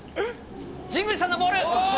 神宮寺さんのボール。